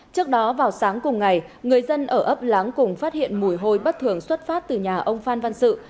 trước đó vào sáng cùng ngày người dân ở ấp láng cùng phát hiện mùi hôi bất thường xuất phát từ nhà ông phan văn sự